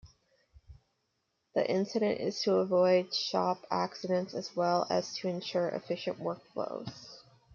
The intent is to avoid shop-accidents as well as to ensure efficient work flows.